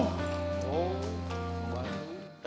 oh apaan sih